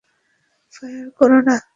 Fire করো না!